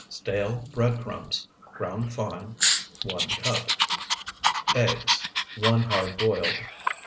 Stale bread crumbs, ground fine, 1 cup. Eggs (one hard boiled), 3.